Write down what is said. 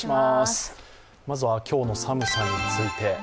まずは今日の寒さについて。